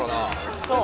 そう！